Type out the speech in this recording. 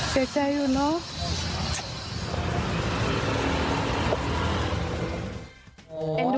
เจ็บใจดูเนอะ